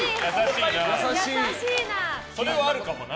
それはあるかもな。